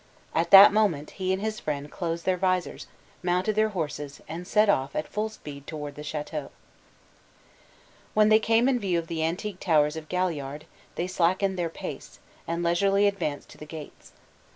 At that moment he and his friend closed their visors, mounted their horses, and set off at full speed toward the chateau. When they came in view of the antique towers of Galliard, they slackened their pace, and leisurely advanced to the gates.